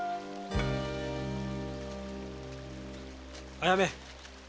あやめ。